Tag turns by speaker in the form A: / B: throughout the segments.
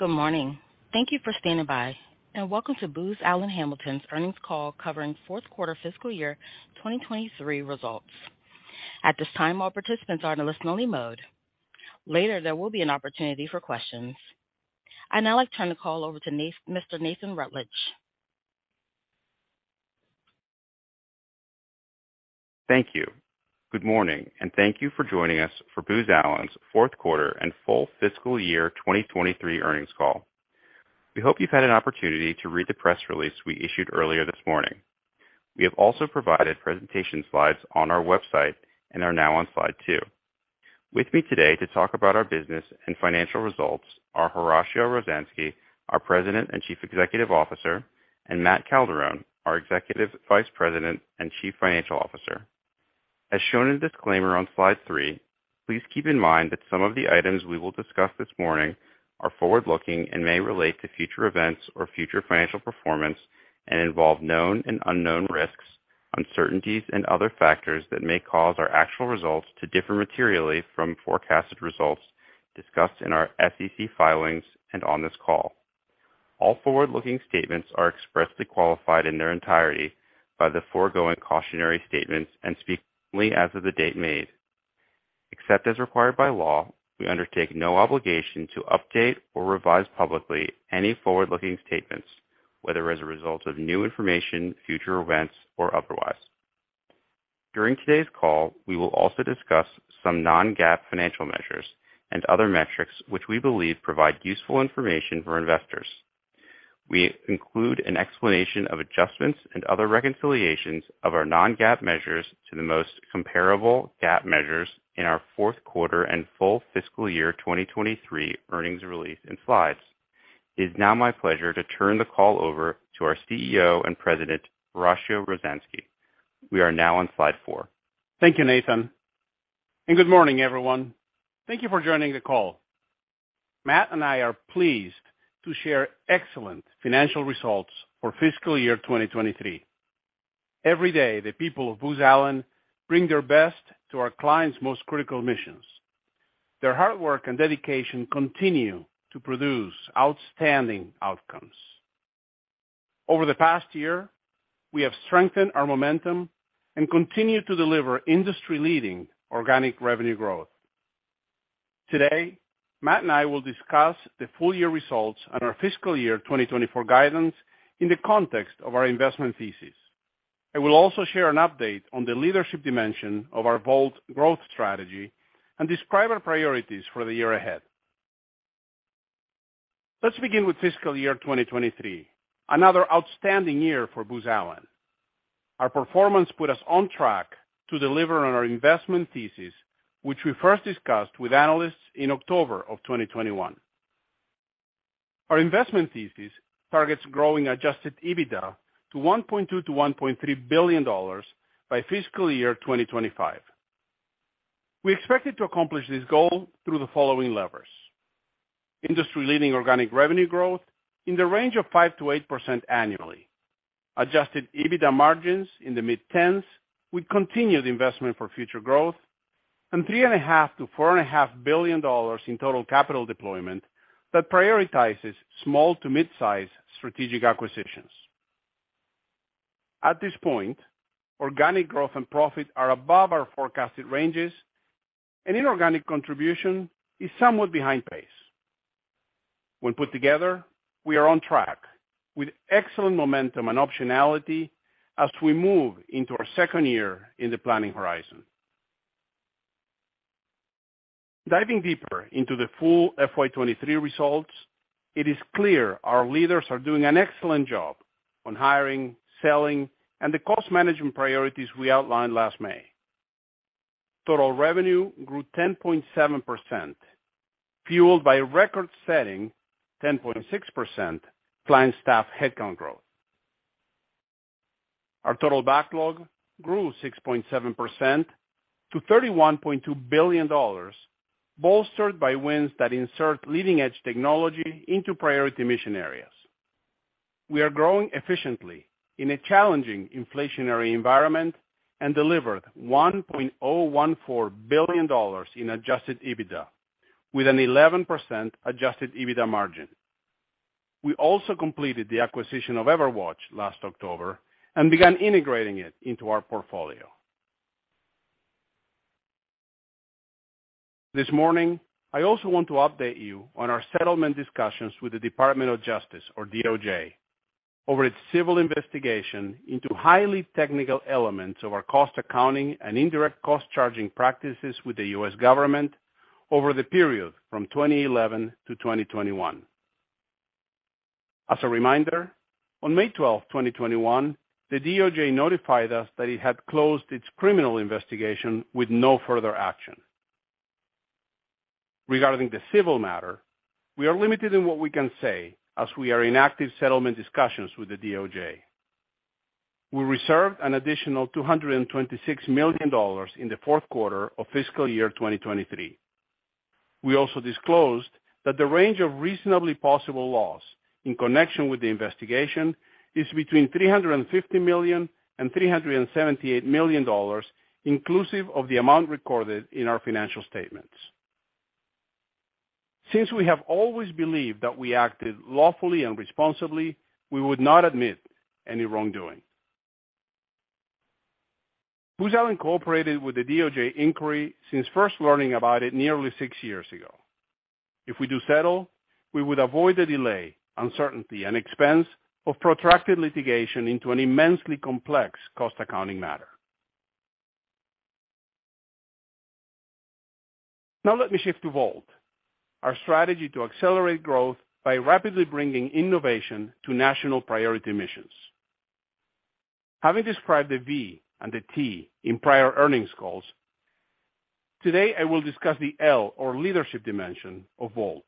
A: Good morning! Thank you for standing by, and welcome to Booz Allen Hamilton's earnings call covering fourth quarter fiscal year 2023 results. At this time, all participants are in a listen-only mode. Later, there will be an opportunity for questions. I'd now like to turn the call over to Mr. Nathan Rutledge.
B: Thank you. Good morning, and thank you for joining us for Booz Allen's fourth quarter and full fiscal year 2023 earnings call. We hope you've had an opportunity to read the press release we issued earlier this morning. We have also provided presentation slides on our website and are now on slide two. With me today to talk about our business and financial results are Horacio Rozanski, our President and Chief Executive Officer, and Matt Calderone, our Executive Vice President and Chief Financial Officer. As shown in the disclaimer on slide three, please keep in mind that some of the items we will discuss this morning are forward-looking and may relate to future events or future financial performance and involve known and unknown risks, uncertainties, and other factors that may cause our actual results to differ materially from forecasted results discussed in our SEC filings and on this call. All forward-looking statements are expressly qualified in their entirety by the foregoing cautionary statements and speak only as of the date made. Except as required by law, we undertake no obligation to update or revise publicly any forward-looking statements, whether as a result of new information, future events, or otherwise. During today's call, we will also discuss some non-GAAP financial measures and other metrics which we believe provide useful information for investors. We include an explanation of adjustments and other reconciliations of our non-GAAP measures to the most comparable GAAP measures in our fourth quarter and full fiscal year 2023 earnings release and slides. It is now my pleasure to turn the call over to our CEO and President, Horacio Rozanski. We are now on slide 4.
C: Thank you, Nathan. Good morning, everyone. Thank you for joining the call. Matt and I are pleased to share excellent financial results for fiscal year 2023. Every day, the people of Booz Allen bring their best to our clients' most critical missions. Their hard work and dedication continue to produce outstanding outcomes. Over the past year, we have strengthened our momentum and continued to deliver industry-leading organic revenue growth. Today, Matt and I will discuss the full year results and our fiscal year 2024 guidance in the context of our investment thesis. I will also share an update on the leadership dimension of our bold growth strategy and describe our priorities for the year ahead. Let's begin with fiscal year 2023, another outstanding year for Booz Allen. Our performance put us on track to deliver on our investment thesis, which we first discussed with analysts in October of 2021. Our investment thesis targets growing Adjusted EBITDA to $1.2 billion–$1.3 billion by fiscal year 2025. We expected to accomplish this goal through the following levers: industry-leading organic revenue growth in the range of 5%–8% annually, Adjusted EBITDA margins in the mid-tens, with continued investment for future growth, and $3.5 billion–$4.5 billion in total capital deployment that prioritizes small to mid-size strategic acquisitions. At this point, organic growth and profit are above our forecasted ranges. Inorganic contribution is somewhat behind pace. When put together, we are on track with excellent momentum and optionality as we move into our second year in the planning horizon. Diving deeper into the full FY 2023 results, it is clear our leaders are doing an excellent job on hiring, selling, and the cost management priorities we outlined last May. Total revenue grew 10.7%, fueled by a record-setting 10.6% client staff headcount growth. Our total backlog grew 6.7% to $31.2 billion, bolstered by wins that insert leading-edge technology into priority mission areas. We are growing efficiently in a challenging inflationary environment and delivered $1.014 billion in adjusted EBITDA with an 11% adjusted EBITDA margin. We also completed the acquisition of EverWatch last October and began integrating it into our portfolio. This morning, I also want to update you on our settlement discussions with the Department of Justice or DOJ, over its civil investigation into highly technical elements of our cost accounting and indirect cost-charging practices with the U.S. government over the period from 2011–2021. As a reminder, on May 12, 2021, the DOJ notified us that it had closed its criminal investigation with no further action. Regarding the civil matter, we are limited in what we can say as we are in active settlement discussions with the DOJ. We reserved an additional $226 million in the fourth quarter of fiscal year 2023. We also disclosed that the range of reasonably possible loss in connection with the investigation is between $350 million and $378 million, inclusive of the amount recorded in our financial statements.... Since we have always believed that we acted lawfully and responsibly, we would not admit any wrongdoing. Booz Allen cooperated with the DOJ inquiry since first learning about it nearly six years ago. If we do settle, we would avoid the delay, uncertainty, and expense of protracted litigation into an immensely complex cost accounting matter. Now let me shift to VoLT, our strategy to accelerate growth by rapidly bringing innovation to national priority missions. Having described the V and the T in prior earnings calls, today, I will discuss the L or leadership dimension of VoLT.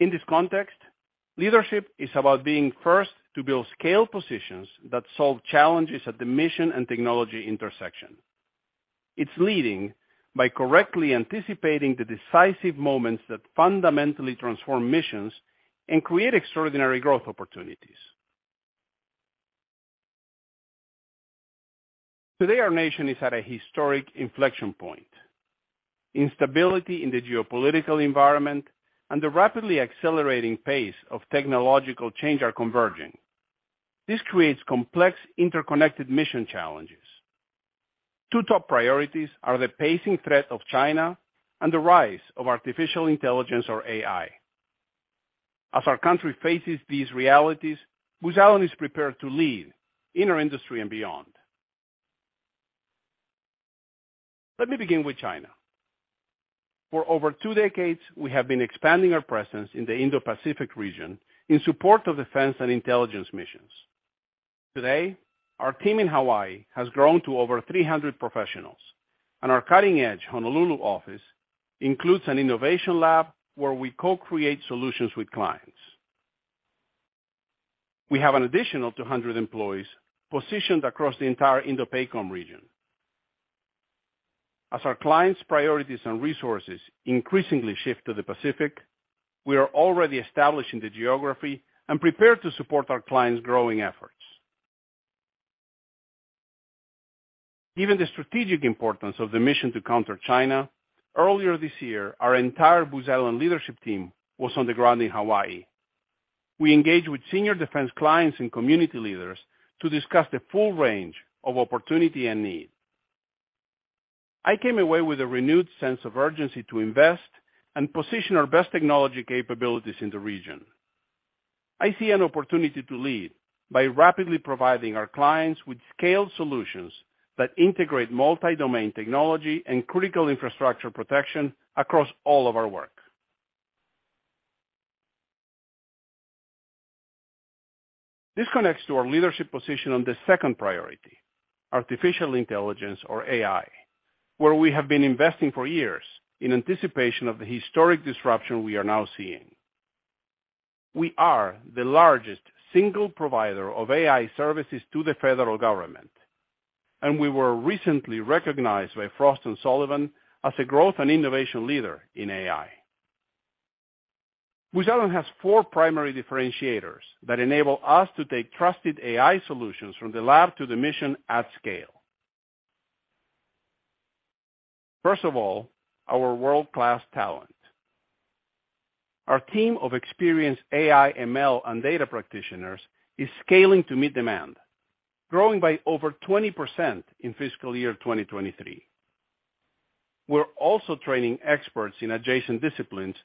C: In this context, leadership is about being first to build scale positions that solve challenges at the mission and technology intersection. It's leading by correctly anticipating the decisive moments that fundamentally transform missions and create extraordinary growth opportunities. Today, our nation is at a historic inflection point. Instability in the geopolitical environment and the rapidly accelerating pace of technological change are converging. This creates complex, interconnected mission challenges. Two top priorities are the pacing threat of China and the rise of artificial intelligence or AI. As our country faces these realities, Booz Allen is prepared to lead in our industry and beyond. Let me begin with China. For over two decades, we have been expanding our presence in the Indo-Pacific region in support of defense and intelligence missions. Today, our team in Hawaii has grown to over 300 professionals, and our cutting-edge Honolulu office includes an innovation lab where we co-create solutions with clients. We have an additional 200 employees positioned across the entire INDOPACOM region. As our clients' priorities and resources increasingly shift to the Pacific, we are already establishing the geography and prepared to support our clients' growing efforts. Given the strategic importance of the mission to counter China, earlier this year, our entire Booz Allen leadership team was on the ground in Hawaii. We engaged with senior defense clients and community leaders to discuss the full range of opportunity and need. I came away with a renewed sense of urgency to invest and position our best technology capabilities in the region. I see an opportunity to lead by rapidly providing our clients with scaled solutions that integrate multi-domain technology and critical infrastructure protection across all of our work. This connects to our leadership position on the second priority, artificial intelligence or AI, where we have been investing for years in anticipation of the historic disruption we are now seeing. We are the largest single provider of AI services to the federal government. We were recently recognized by Frost & Sullivan as a growth and innovation leader in AI. Booz Allen has four primary differentiators that enable us to take trusted AI solutions from the lab to the mission at scale. First of all, our world-class talent. Our team of experienced AI, ML, and data practitioners is scaling to meet demand, growing by over 20% in fiscal year 2023. We're also training experts in adjacent disciplines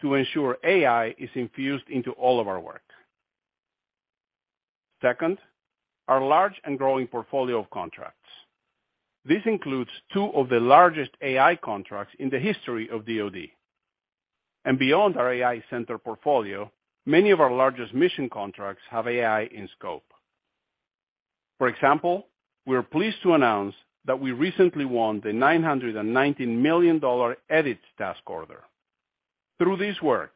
C: to ensure AI is infused into all of our work. Second, our large and growing portfolio of contracts. This includes two of the largest AI contracts in the history of DoD. Beyond our AI-centered portfolio, many of our largest mission contracts have AI in scope. For example, we are pleased to announce that we recently won the $919 million EDITS task order. Through this work,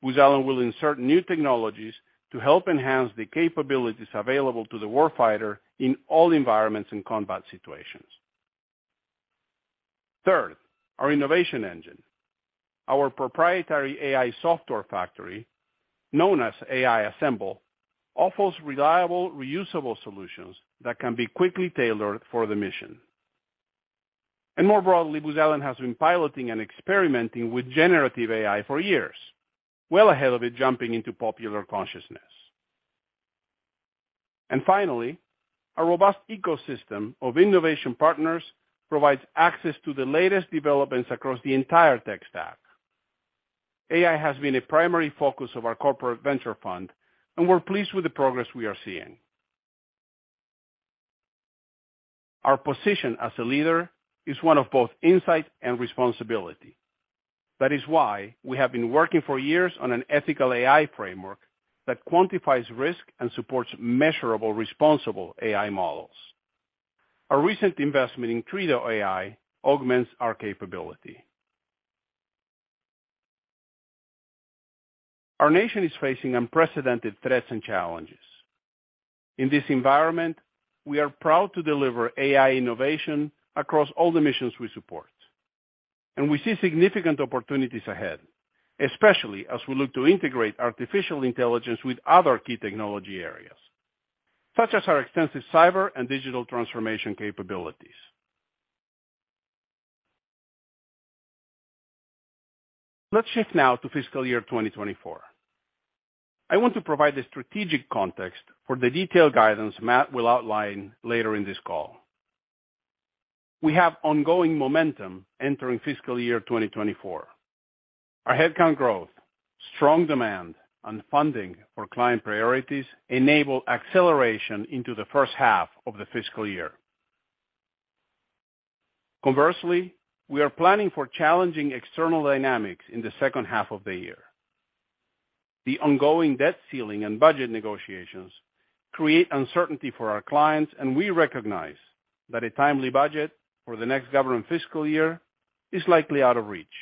C: Booz Allen will insert new technologies to help enhance the capabilities available to the war fighter in all environments and combat situations. Third, our innovation engine. Our proprietary AI software factory, known as AI Assemble, offers reliable, reusable solutions that can be quickly tailored for the mission. More broadly, Booz Allen has been piloting and experimenting with generative AI for years, well ahead of it jumping into popular consciousness. Finally, a robust ecosystem of innovation partners provides access to the latest developments across the entire tech stack. AI has been a primary focus of our corporate venture fund, and we're pleased with the progress we are seeing. Our position as a leader is one of both insight and responsibility. That is why we have been working for years on an ethical AI framework that quantifies risk and supports measurable, responsible AI models. Our recent investment in Credo AI augments our capability. Our nation is facing unprecedented threats and challenges. In this environment, we are proud to deliver AI innovation across all the missions we support, and we see significant opportunities ahead, especially as we look to integrate artificial intelligence with other key technology areas, such as our extensive cyber and digital transformation capabilities. Let's shift now to fiscal year 2024. I want to provide the strategic context for the detailed guidance Matt will outline later in this call. We have ongoing momentum entering fiscal year 2024. Our headcount growth, strong demand, and funding for client priorities enable acceleration into the first half of the fiscal year. Conversely, we are planning for challenging external dynamics in the second half of the year. The ongoing debt-ceiling and budget negotiations create uncertainty for our clients. We recognize that a timely budget for the next government fiscal year is likely out of reach.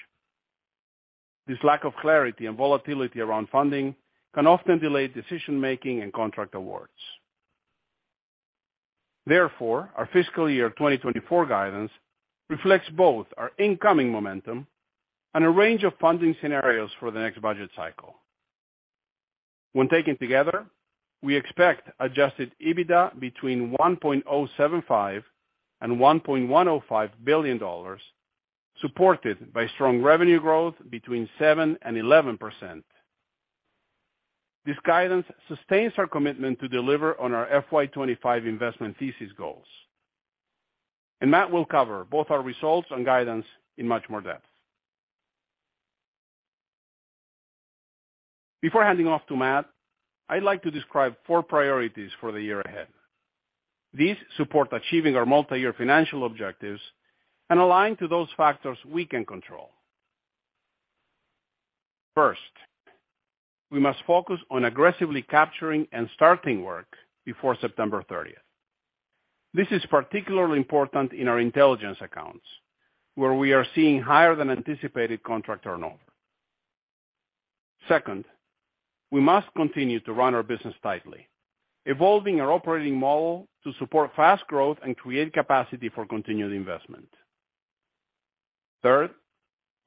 C: This lack of clarity and volatility around funding can often delay decision-making and contract awards. Therefore, our fiscal year 2024 guidance reflects both our incoming momentum and a range of funding scenarios for the next budget cycle. When taken together, we expect adjusted EBITDA between $1.075 billion and $1.105 billion, supported by strong revenue growth between 7% and 11%. This guidance sustains our commitment to deliver on our FY 2025 investment thesis goals. Matt will cover both our results and guidance in much more depth. Before handing off to Matt, I'd like to describe four priorities for the year ahead. These support achieving our multi-year financial objectives and align to those factors we can control. First, we must focus on aggressively capturing and starting work before September 30. This is particularly important in our intelligence accounts, where we are seeing higher than anticipated contract turnover. Second, we must continue to run our business tightly, evolving our operating model to support fast growth and create capacity for continued investment. Third,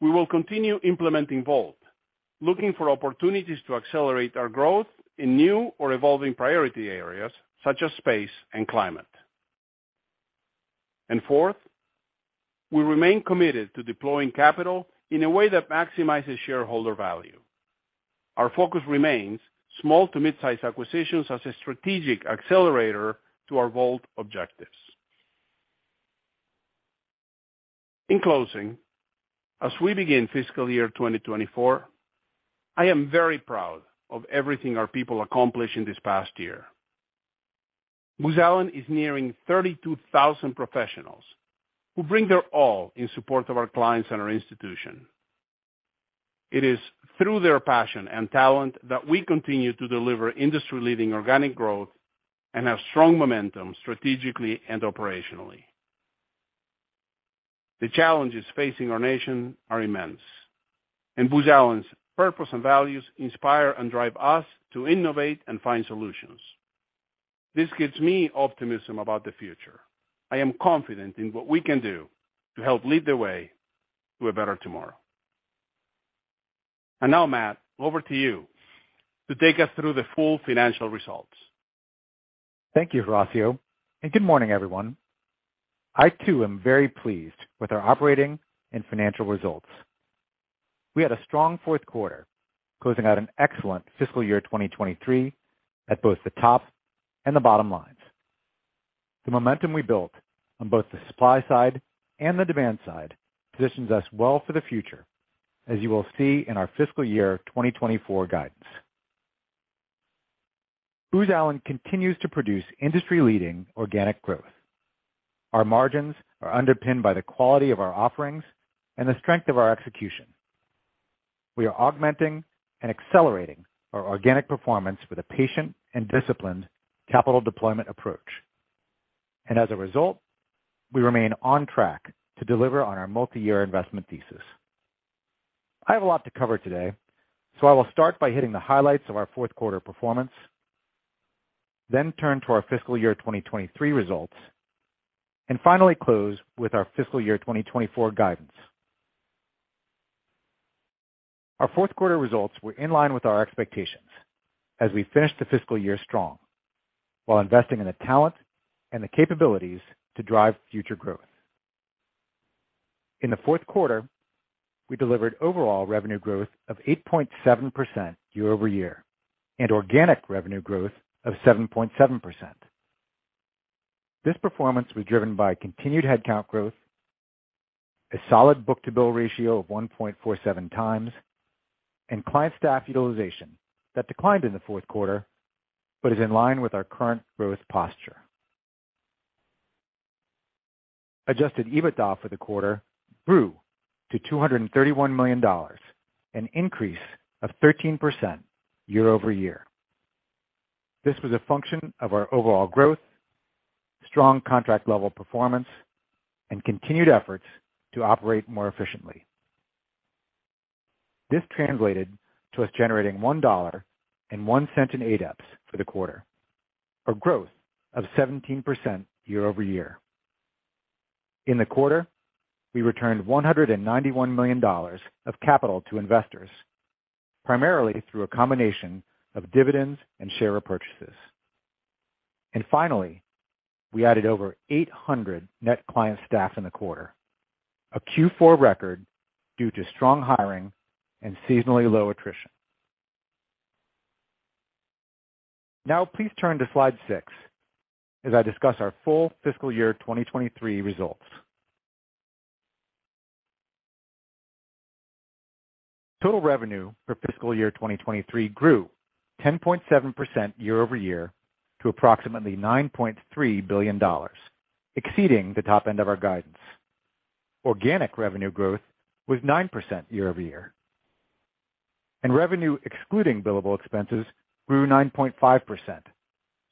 C: we will continue implementing Vault, looking for opportunities to accelerate our growth in new or evolving priority areas such as space and climate. Fourth, we remain committed to deploying capital in a way that maximizes shareholder value. Our focus remains small to mid-size acquisitions as a strategic accelerator to our Vault objectives. In closing, as we begin fiscal year 2024, I am very proud of everything our people accomplished in this past year. Booz Allen is nearing 32,000 professionals who bring their all in support of our clients and our institution. It is through their passion and talent that we continue to deliver industry-leading organic growth and have strong momentum strategically and operationally. The challenges facing our nation are immense, and Booz Allen's purpose and values inspire and drive us to innovate and find solutions. This gives me optimism about the future. I am confident in what we can do to help lead the way to a better tomorrow. Now, Matt, over to you to take us through the full financial results.
D: Thank you, Horacio. Good morning, everyone. I, too, am very pleased with our operating and financial results. We had a strong fourth quarter, closing out an excellent fiscal year 2023 at both the top and the bottom lines. The momentum we built on both the supply side and the demand side positions us well for the future, as you will see in our fiscal year 2024 guidance. Booz Allen continues to produce industry-leading organic growth. Our margins are underpinned by the quality of our offerings and the strength of our execution. As a result, we remain on track to deliver on our multi-year investment thesis. I have a lot to cover today, I will start by hitting the highlights of our fourth quarter performance, then turn to our fiscal year 2023 results, and finally close with our fiscal year 2024 guidance. Our fourth quarter results were in line with our expectations as we finished the fiscal year strong, while investing in the talent and the capabilities to drive future growth. In the fourth quarter, we delivered overall revenue growth of 8.7% year-over-year, and organic revenue growth of 7.7%. This performance was driven by continued headcount growth, a solid book-to-bill ratio of 1.47 times, and client staff utilization that declined in the fourth quarter but is in line with our current growth posture. Adjusted EBITDA for the quarter grew to $231 million, an increase of 13% year-over-year. This was a function of our overall growth, strong contract level performance, and continued efforts to operate more efficiently. This translated to us generating $1.01 in ADEPS for the quarter, a growth of 17% year-over-year. In the quarter, we returned $191 million of capital to investors, primarily through a combination of dividends and share repurchases. Finally, we added over 800 net client staff in the quarter, a Q4 record, due to strong hiring and seasonally low attrition. Now, please turn to slide 6 as I discuss our full fiscal year 2023 results. Total revenue for fiscal year 2023 grew 10.7% year-over-year to approximately $9.3 billion, exceeding the top end of our guidance. Organic revenue growth was 9% year-over-year, and revenue excluding billable expenses grew 9.5%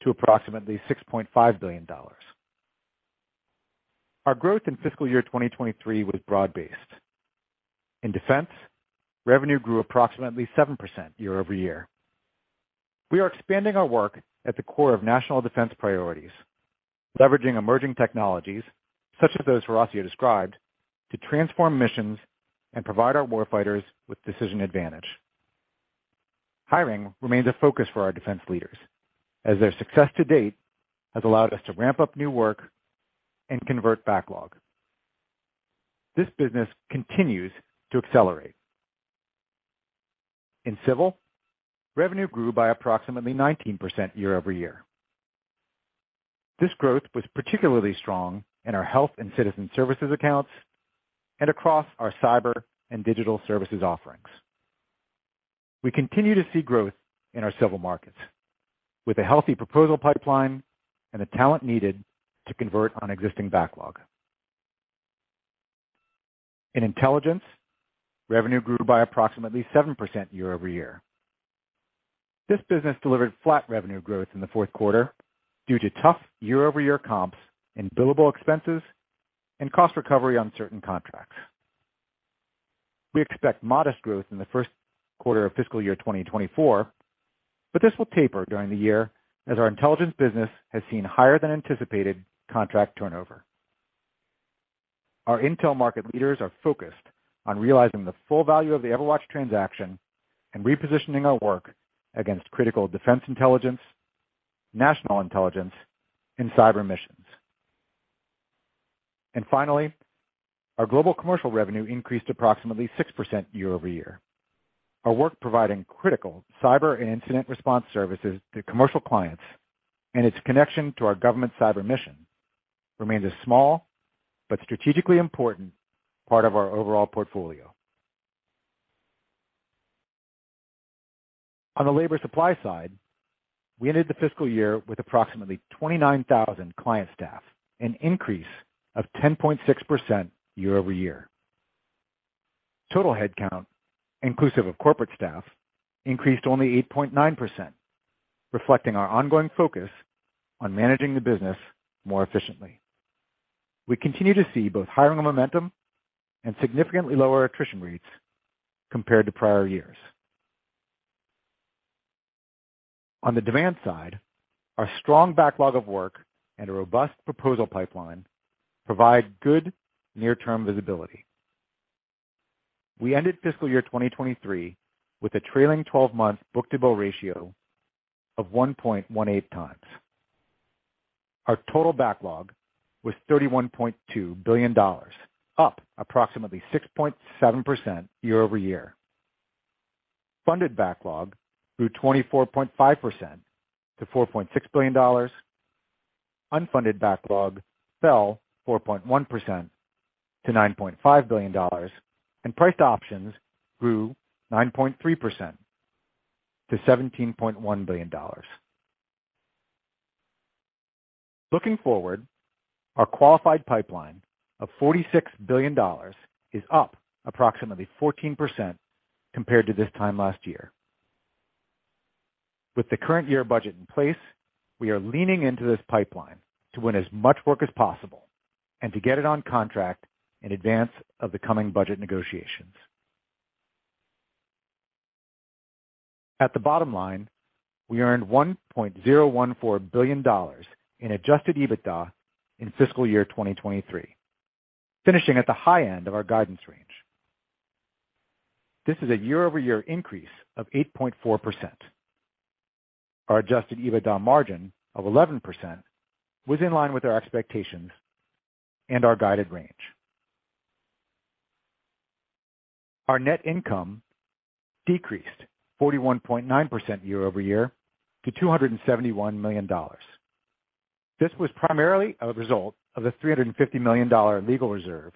D: to approximately $6.5 billion. Our growth in fiscal year 2023 was broad-based. In defense, revenue grew approximately 7% year-over-year. We are expanding our work at the core of national defense priorities, leveraging emerging technologies, such as those Horacio described, to transform missions and provide our warfighters with decision advantage. Hiring remains a focus for our defense leaders, as their success to date has allowed us to ramp up new work and convert backlog. This business continues to accelerate. In civil, revenue grew by approximately 19% year-over-year. This growth was particularly strong in our health and citizen services accounts and across our cyber and digital services offerings. We continue to see growth in our civil markets with a healthy proposal pipeline and the talent needed to convert on existing backlog. In intelligence, revenue grew by approximately 7% year-over-year. This business delivered flat revenue growth in the 4th quarter due to tough year-over-year comps in billable expenses and cost recovery on certain contracts. We expect modest growth in the 1st quarter of fiscal year 2024, this will taper during the year as our intelligence business has seen higher than anticipated contract turnover. Our intel market leaders are focused on realizing the full value of the EverWatch transaction and repositioning our work against critical defense intelligence, national intelligence, and cyber missions. Finally, our global commercial revenue increased approximately 6% year-over-year. Our work providing critical cyber and incident response services to commercial clients and its connection to our government cyber mission remains a small but strategically important part of our overall portfolio. On the labor supply side, we ended the fiscal year with approximately 29,000 client staff, an increase of 10.6% year-over-year. Total headcount, inclusive of corporate staff, increased only 8.9%, reflecting our ongoing focus on managing the business more efficiently. We continue to see both hiring momentum and significantly lower attrition rates compared to prior years. On the demand side, our strong backlog of work and a robust proposal pipeline provide good near-term visibility. We ended fiscal year 2023 with a trailing twelve-month book-to-bill ratio of 1.18 times. Our total backlog was $31.2 billion, up approximately 6.7% year-over-year. Funded backlog grew 24.5% to $4.6 billion. Unfunded backlog fell 4.1% to $9.5 billion, and priced options grew 9.3% to $17.1 billion. Looking forward, our qualified pipeline of $46 billion is up approximately 14% compared to this time last year. With the current year budget in place, we are leaning into this pipeline to win as much work as possible and to get it on contract in advance of the coming budget negotiations. At the bottom line, we earned $1.014 billion in adjusted EBITDA in fiscal year 2023, finishing at the high end of our guidance range. This is a year-over-year increase of 8.4%. Our adjusted EBITDA margin of 11% was in line with our expectations and our guided range. Our net income decreased 41.9% year-over-year to $271 million. This was primarily a result of the $350 million legal reserve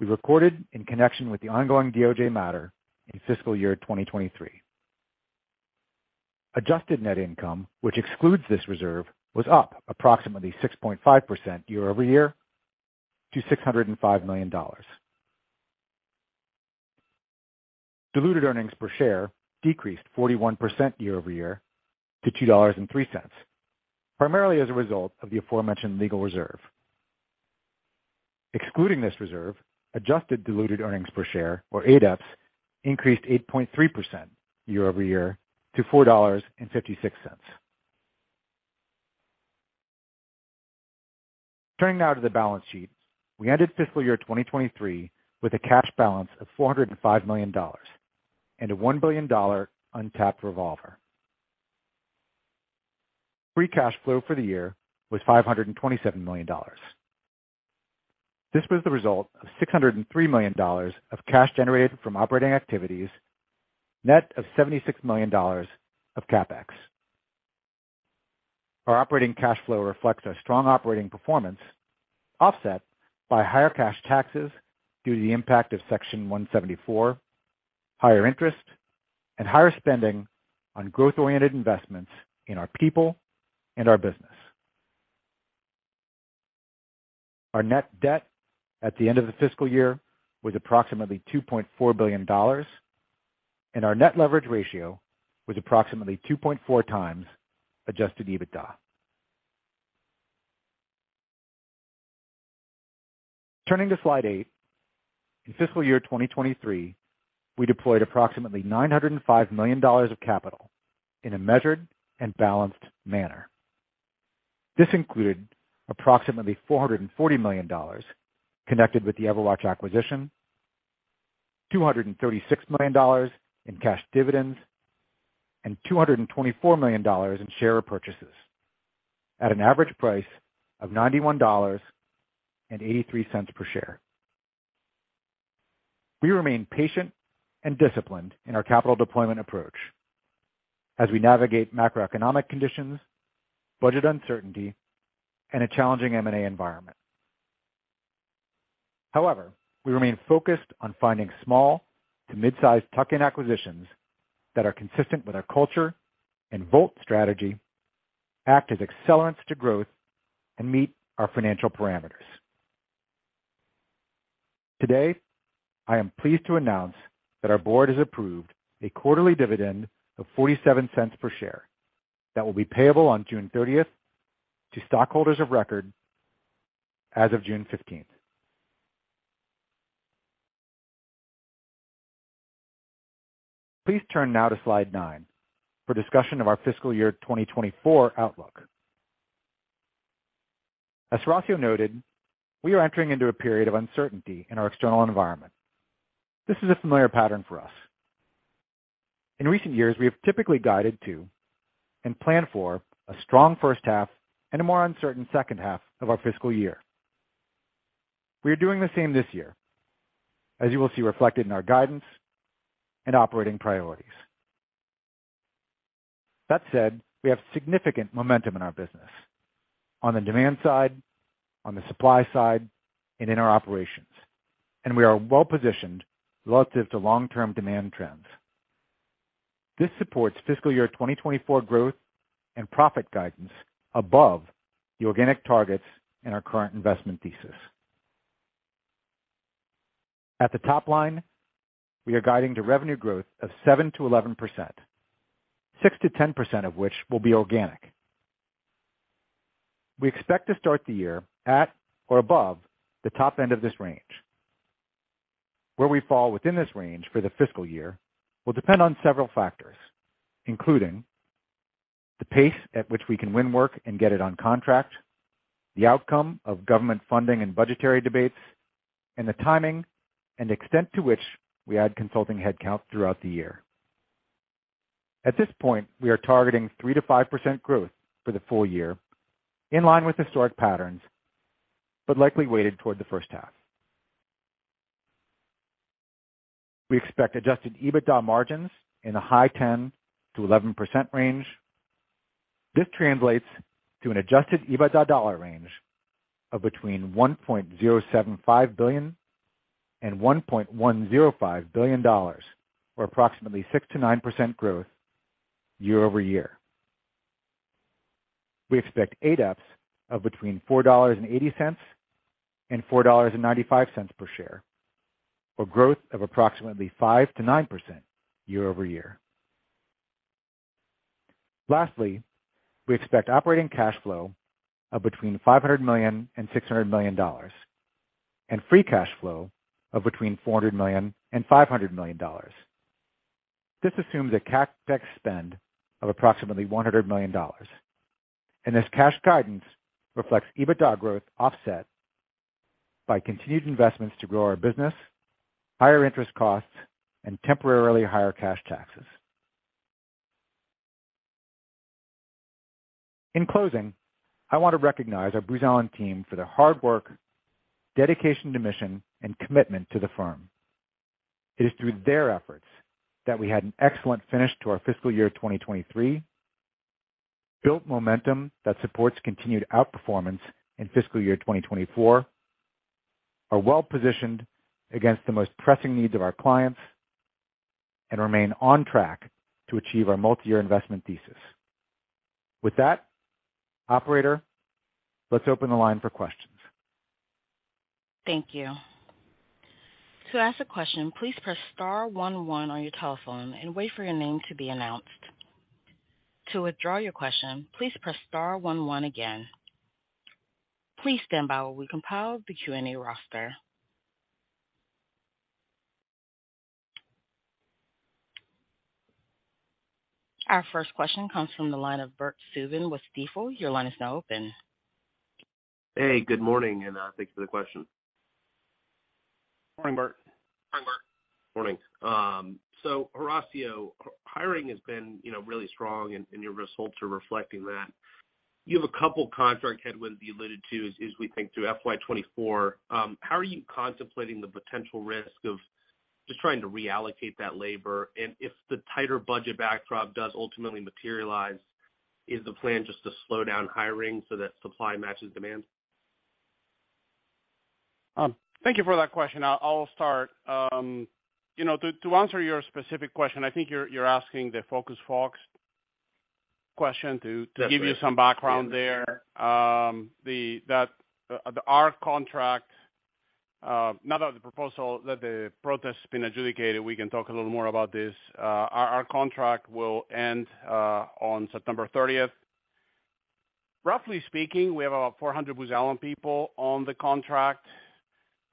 D: we recorded in connection with the ongoing DOJ matter in fiscal year 2023. Adjusted net income, which excludes this reserve, was up approximately 6.5% year-over-year to $605 million. Diluted earnings per share decreased 41% year-over-year to $2.03, primarily as a result of the aforementioned legal reserve. Excluding this reserve, adjusted diluted earnings per share, or ADEPS, increased 8.3% year-over-year to $4.56. Turning now to the balance sheet. We ended fiscal year 2023 with a cash balance of $405 million and a $1 billion untapped revolver. Free cash flow for the year was $527 million. This was the result of $603 million of cash generated from operating activities, net of $76 million of CapEx. Our operating cash flow reflects our strong operating performance, offset by higher cash taxes due to the impact of Section 174, higher interest and higher spending on growth-oriented investments in our people and our business. Our net debt at the end of the fiscal year was approximately $2.4 billion, and our net leverage ratio was approximately 2.4x adjusted EBITDA. Turning to Slide 8. In fiscal year 2023, we deployed approximately $905 million of capital in a measured and balanced manner. This included approximately $440 million connected with the EverWatch acquisition, $236 million in cash dividends, and $224 million in share repurchases at an average price of $91.83 per share. We remain patient and disciplined in our capital deployment approach as we navigate macroeconomic conditions, budget uncertainty, and a challenging M&A environment. We remain focused on finding small to mid-sized tuck-in acquisitions that are consistent with our culture and VoLT strategy, act as accelerants to growth, and meet our financial parameters. Today, I am pleased to announce that our board has approved a quarterly dividend of $0.47 per share that will be payable on June 30 to stockholders of record as of June 15. Please turn now to Slide 9 for discussion of our fiscal year 2024 outlook. As Horacio noted, we are entering into a period of uncertainty in our external environment. This is a familiar pattern for us. In recent years, we have typically guided to and planned for a strong first half and a more uncertain second half of our fiscal year. We are doing the same this year, as you will see reflected in our guidance and operating priorities. That said, we have significant momentum in our business on the demand side, on the supply side, and in our operations, and we are well positioned relative to long-term demand trends. This supports fiscal year 2024 growth and profit guidance above the organic targets in our current investment thesis. At the top line, we are guiding to revenue growth of 7%–11%, 6%–10% of which will be organic. We expect to start the year at or above the top end of this range. Where we fall within this range for the fiscal year will depend on several factors, including the pace at which we can win work and get it on contract, the outcome of government funding and budgetary debates, and the timing and extent to which we add consulting headcount throughout the year. At this point, we are targeting 3%–5% growth for the full year, in line with historic patterns, but likely weighted toward the first half. We expect adjusted EBITDA margins in the high 10%–11% range. This translates to an adjusted EBITDA dollar range of between $1.075 billion and $1.105 billion, or approximately 6%–9% growth year-over-year. We expect ADEPS of between $4.80 and $4.95 per share, or growth of approximately 5%-9% year-over-year. Lastly, we expect operating cash flow of between $500 million and $600 million, and free cash flow of between $400 million and $500 million. This assumes a CapEx spend of approximately $100 million, and this cash guidance reflects EBITDA growth offset by continued investments to grow our business, higher interest costs, and temporarily higher cash taxes. In closing, I want to recognize our Booz Allen team for their hard work, dedication to mission, and commitment to the firm. It is through their efforts that we had an excellent finish to our fiscal year 2023, built momentum that supports continued outperformance in fiscal year 2024, are well positioned against the most pressing needs of our clients, and remain on track to achieve our multi-year investment thesis. With that, operator, let's open the line for questions.
A: Thank you. To ask a question, please press star one on your telephone and wait for your name to be announced. To withdraw your question, please press star one again. Please stand by while we compile the Q&A roster. Our first question comes from the line of Bert Subin with Stifel. Your line is now open.
E: Hey, good morning, and thanks for the question.
C: Morning, Bert.
E: Hi, Bert. Morning. Horacio, hiring has been, you know, really strong, and your results are reflecting that. You have a couple contract headwinds you alluded to as we think through FY 2024. How are you contemplating the potential risk of just trying to reallocate that labor? If the tighter budget backdrop does ultimately materialize, is the plan just to slow down hiring so that supply matches demand?
C: Thank you for that question. I'll start. You know, to answer your specific question, I think you're asking the Focused Fox contract.
E: That's right.
C: To give you some background there, the, that, the, our contract, now that the proposal, that the protest has been adjudicated, we can talk a little more about this. Our contract will end, on September 30. Roughly speaking, we have about 400 Booz Allen people on the contract.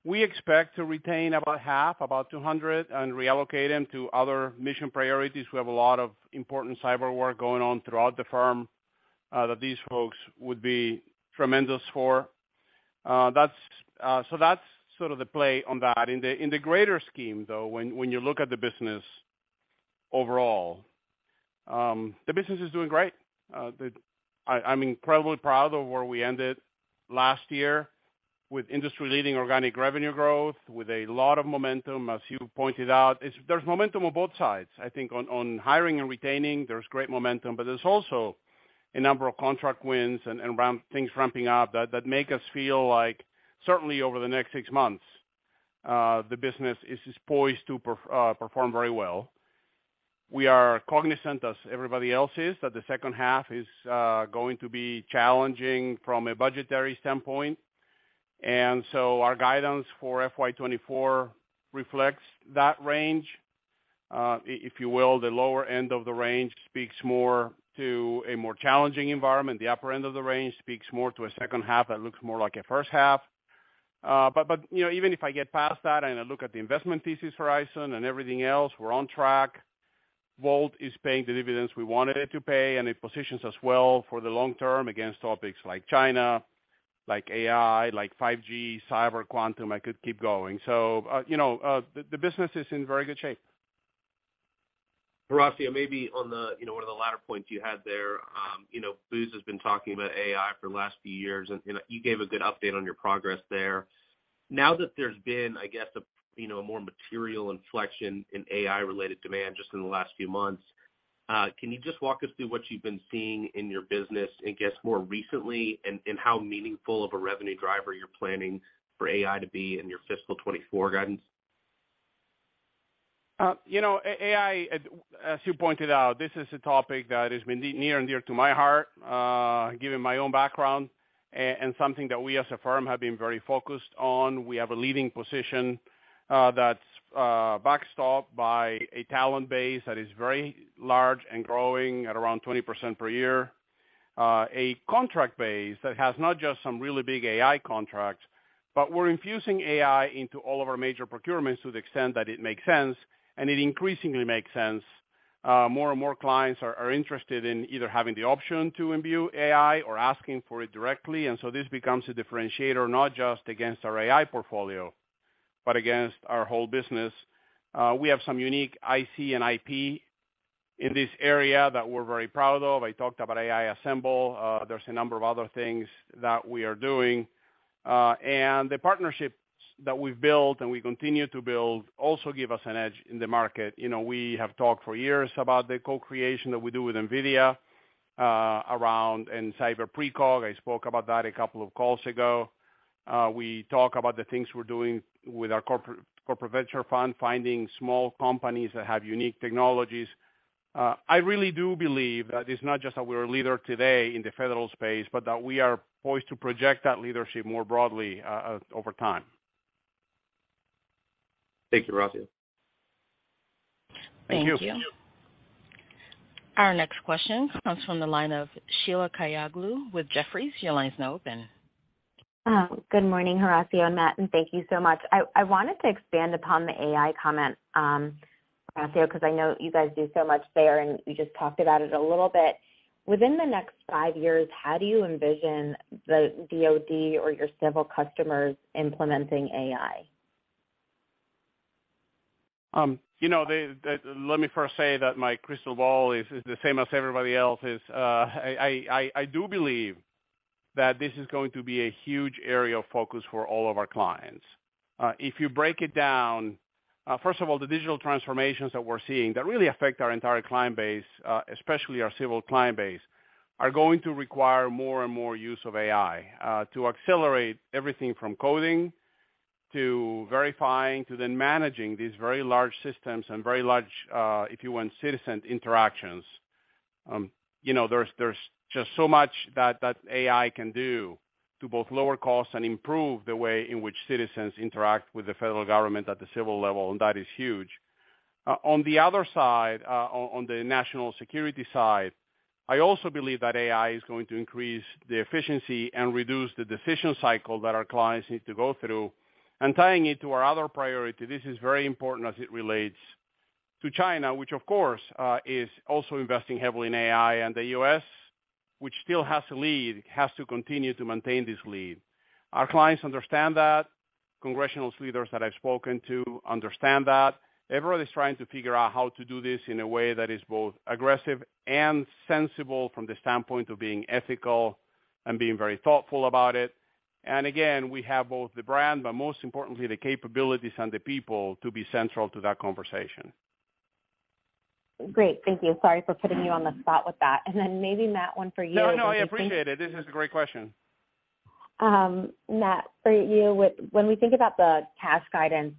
C: We expect to retain about half, about 200, and reallocate them to other mission priorities. We have a lot of important cyber work going on throughout the firm, that these folks would be tremendous for. That's so that's sort of the play on that. In the greater scheme, though, when you look at the business overall, the business is doing great. I'm incredibly proud of where we ended last year with industry-leading organic revenue growth, with a lot of momentum, as you pointed out. There's momentum on both sides. I think on hiring and retaining, there's great momentum, but there's also a number of contract wins and things ramping up that make us feel like certainly over the next six months, the business is poised to perform very well. We are cognizant, as everybody else is, that the second half is going to be challenging from a budgetary standpoint. Our guidance for FY 2024 reflects that range. If you will, the lower end of the range speaks more to a more challenging environment. The upper end of the range speaks more to a second half that looks more like a first half. You know, even if I get past that and I look at the investment thesis horizon and everything else, we're on track. VoLT is paying dividends we wanted it to pay, and it positions us well for the long term against topics like China, like AI, like 5G, cyber, quantum, I could keep going. You know, the business is in very good shape.
E: Horacio, maybe on the, you know, one of the latter points you had there, you know, Booz has been talking about AI for the last few years, and, you know, you gave a good update on your progress there. Now that there's been, I guess, a, you know, a more material inflection in AI-related demand just in the last few months, can you just walk us through what you've been seeing in your business, I guess, more recently, and how meaningful of a revenue driver you're planning for AI to be in your fiscal 24 guidance?
C: you know, AI, as you pointed out, this is a topic that has been near and dear to my heart, given my own background, and something that we as a firm have been very focused on. We have a leading position, that's backstopped by a talent base that is very large and growing at around 20% per year. A contract base that has not just some really big AI contracts, but we're infusing AI into all of our major procurements to the extent that it makes sense, and it increasingly makes sense. More and more clients are interested in either having the option to imbue AI or asking for it directly, and so this becomes a differentiator, not just against our AI portfolio, but against our whole business. We have some unique IC and IP in this area that we're very proud of. I talked about AI Assemble. There's a number of other things that we are doing. The partnerships that we've built and we continue to build also give us an edge in the market. You know, we have talked for years about the co-creation that we do with NVIDIA, around... and Cyber Precog. I spoke about that a couple of calls ago. We talk about the things we're doing with our corporate venture fund, finding small companies that have unique technologies. I really do believe that it's not just that we're a leader today in the federal space, but that we are poised to project that leadership more broadly, over time.
E: Thank you, Horacio.
C: Thank you.
A: Thank you. Our next question comes from the line of Sheila Kahyaoglu with Jefferies. Your line is now open.
F: Good morning, Horacio and Matt, and thank you so much. I wanted to expand upon the AI comment, Horacio, because I know you guys do so much there, and you just talked about it a little bit. Within the next five years, how do you envision the DoD or your civil customers implementing AI?
C: You know, let me first say that my crystal ball is the same as everybody else's. I do believe that this is going to be a huge area of focus for all of our clients. If you break it down, first of all, the digital transformations that we're seeing that really affect our entire client base, especially our civil client base, are going to require more and more use of AI to accelerate everything from coding to verifying, to then managing these very large systems and very large, if you want, citizen interactions. You know, there's just so much that AI can do to both lower costs and improve the way in which citizens interact with the federal government at the civil level, and that is huge. On the other side, on the national security side, I also believe that AI is going to increase the efficiency and reduce the decision cycle that our clients need to go through. Tying it to our other priority, this is very important as it relates to China, which of course, is also investing heavily in AI and the US, which still has to lead, has to continue to maintain this lead. Our clients understand that. Congressional leaders that I've spoken to understand that. Everyone is trying to figure out how to do this in a way that is both aggressive and sensible from the standpoint of being ethical and being very thoughtful about it. Again, we have both the brand, but most importantly, the capabilities and the people to be central to that conversation.
F: Great. Thank you. Sorry for putting you on the spot with that. Maybe, Matt, one for you.
C: No, no, I appreciate it. This is a great question.
F: Matt, for you, when we think about the cash guidance,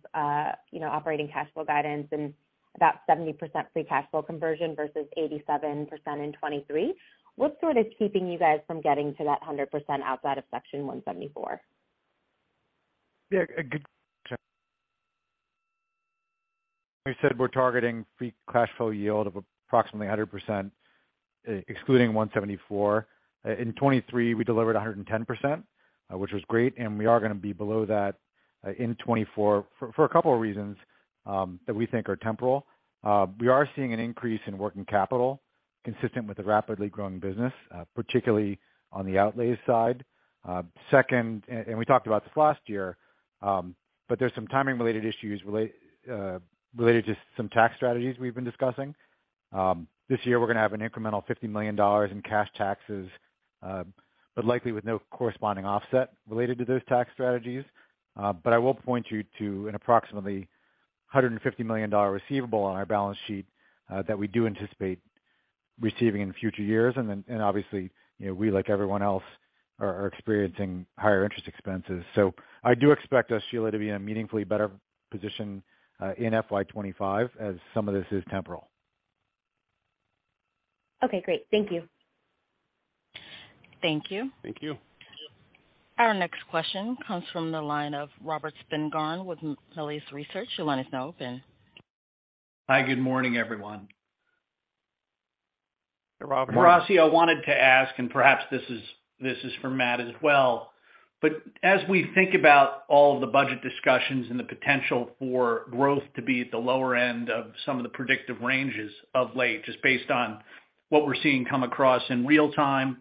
F: you know, operating cash flow guidance and about 70% free cash flow conversion versus 87% in 2023, what's sort of keeping you guys from getting to that 100% outside of Section 174?
D: We said we're targeting free cash flow yield of approximately 100%, excluding Section 174. In 2023, we delivered 110%, which was great, and we are going to be below that in 2024 for a couple of reasons that we think are temporal. We are seeing an increase in working capital consistent with the rapidly growing business, particularly on the outlays side. Second, we talked about this last year, but there's some timing related issues related to some tax strategies we've been discussing. This year, we're going to have an incremental $50 million in cash taxes, but likely with no corresponding offset related to those tax strategies. I will point you to an approximately $150 million receivable on our balance sheet, that we do anticipate receiving in future years. Obviously, you know, we, like everyone else, are experiencing higher interest expenses. I do expect us, Sheila, to be in a meaningfully better position, in FY 2025, as some of this is temporal.
F: Okay, great. Thank you.
A: Thank you.
C: Thank you.
D: Thank you.
A: Our next question comes from the line of Robert Spingarn with Melius Research. Your line is now open.
G: Hi, good morning, everyone.
C: Hi, Robert.
G: Horacio, I wanted to ask, and perhaps this is for Matt as well, but as we think about all the budget discussions and the potential for growth to be at the lower end of some of the predictive ranges of late, just based on what we're seeing come across in real time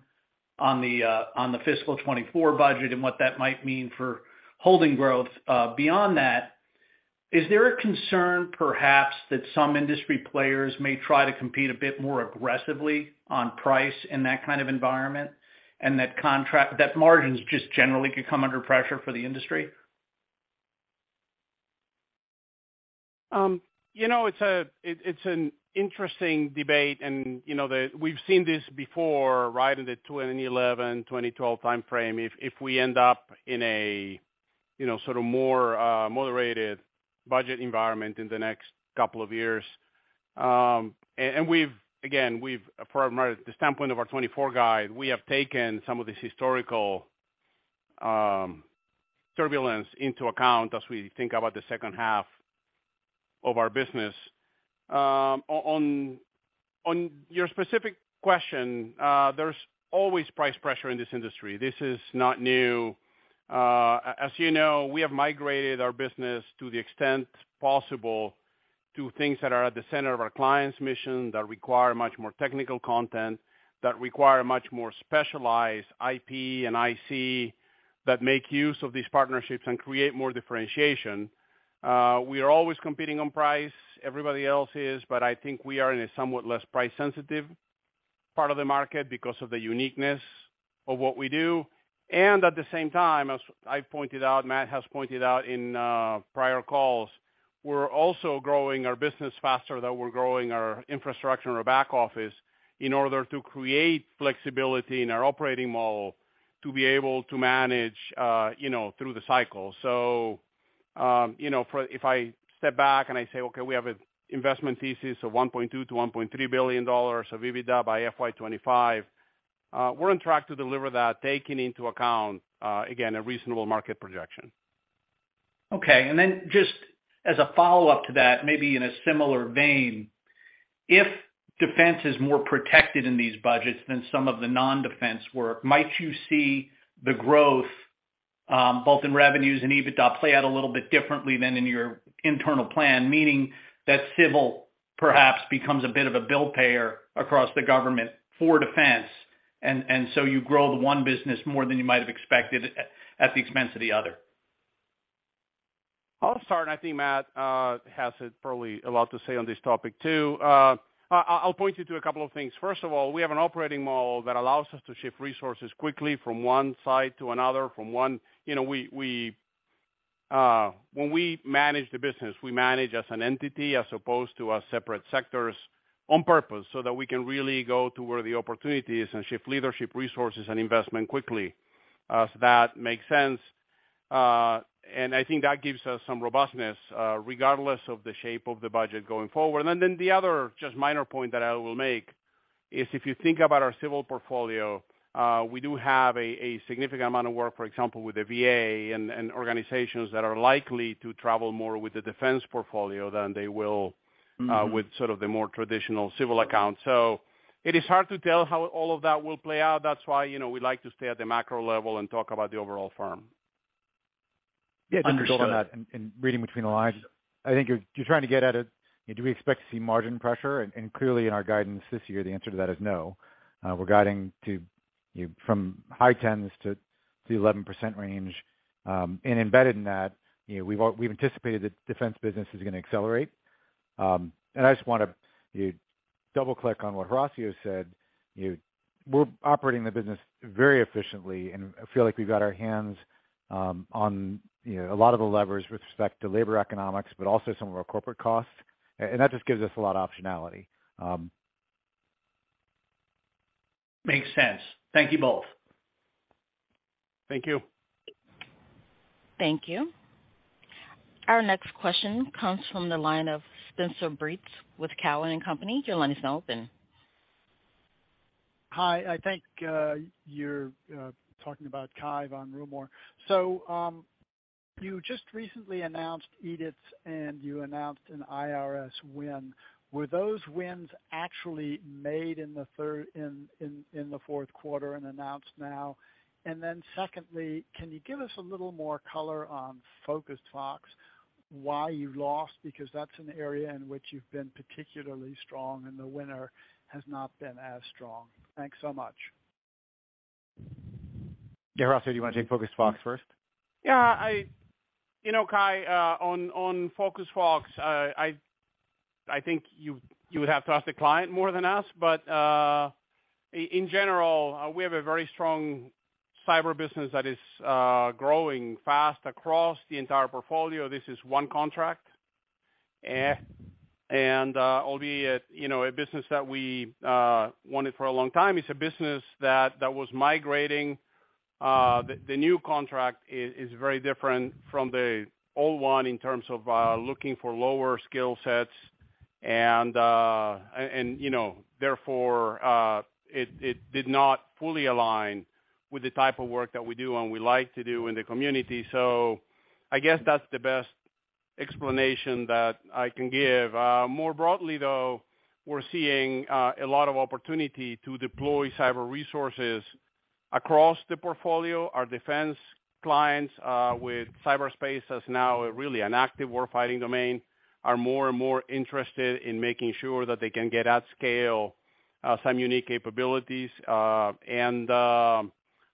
G: on the, on the fiscal 2024 budget and what that might mean for holding growth. Beyond that, is there a concern perhaps that some industry players may try to compete a bit more aggressively on price in that kind of environment, and that margins just generally could come under pressure for the industry?
C: You know, it's an interesting debate, and, you know, we've seen this before, right, in the 2011, 2012 timeframe. If we end up in a, you know, sort of more moderated budget environment in the next couple of years. And we've, again, from the standpoint of our 2024 guide, we have taken some of this historical turbulence into account as we think about the second half of our business. On your specific question, there's always price pressure in this industry. This is not new. As you know, we have migrated our business to the extent possible, to things that are at the center of our clients' mission, that require much more technical content, that require much more specialized IP and IC, that make use of these partnerships and create more differentiation. We are always competing on price. Everybody else is, but I think we are in a somewhat less price-sensitive part of the market because of the uniqueness of what we do. At the same time, as I pointed out, Matt Calderone has pointed out in prior calls, we're also growing our business faster than we're growing our infrastructure and our back office, in order to create flexibility in our operating model to be able to manage, you know, through the cycle. You know, if I step back and I say, okay, we have an investment thesis of $1.2 billion-$1.3 billion of EBITDA by FY25, we're on track to deliver that, taking into account, again, a reasonable market projection.
G: Just as a follow-up to that, maybe in a similar vein, if defense is more protected in these budgets than some of the non-defense work, might you see the growth, both in revenues and EBITDA play out a little bit differently than in your internal plan? Meaning that civil perhaps becomes a bit of a bill payer across the government for defense, and so you grow the one business more than you might have expected at the expense of the other.
C: I'll start, I think Matt has probably a lot to say on this topic, too. I'll point you to a couple of things. First of all, we have an operating model that allows us to shift resources quickly from one side to another. You know, we when we manage the business, we manage as an entity as opposed to as separate sectors on purpose, so that we can really go to where the opportunity is and shift leadership, resources, and investment quickly. That makes sense. I think that gives us some robustness, regardless of the shape of the budget going forward. Then the other just minor point that I will make is if you think about our civil portfolio, we do have a significant amount of work, for example, with the VA and organizations that are likely to travel more with the defense portfolio than they will with sort of the more traditional civil accounts. It is hard to tell how all of that will play out. That's why, you know, we like to stay at the macro level and talk about the overall firm.
D: Yeah, to build on that and reading between the lines, I think you're trying to get at it. Do we expect to see margin pressure? Clearly in our guidance this year, the answer to that is no. We're guiding to you from high 10s to the 11% range. Embedded in that, you know, we've anticipated that defense business is going to accelerate. I just want to double click on what Horacio said. We're operating the business very efficiently and I feel like we've got our hands on, you know, a lot of the levers with respect to labor economics, but also some of our corporate costs, and that just gives us a lot of optionality.
E: Makes sense. Thank you both.
G: Thank you.
A: Thank you. Our next question comes from the line of Cai von Rumohr with Cowen and Company. Your line is now open.
H: Hi. I think you're talking about Cai von Rumohr. You just recently announced EDITS, and you announced an IRS win. Were those wins actually made in the fourth quarter and announced now? Secondly, can you give us a little more color on Focused Fox, why you lost? Because that's an area in which you've been particularly strong, and the winner has not been as strong. Thanks so much.
D: Yeah. Horacio, do you want to take Focused Fox first?
C: Yeah, you know, Cai, on Focused Fox, I think you would have to ask the client more than us. In general, we have a very strong cyber business that is growing fast across the entire portfolio. This is one contract, and albeit, you know, a business that we wanted for a long time, it's a business that was migrating. The new contract is very different from the old one in terms of looking for lower skill sets. You know, therefore, it did not fully align with the type of work that we do and we like to do in the community. I guess that's the best explanation that I can give. More broadly, though, we're seeing a lot of opportunity to deploy cyber resources across the portfolio. Our defense clients, with cyberspace, as now really an active warfighting domain, are more and more interested in making sure that they can get at scale, some unique capabilities. And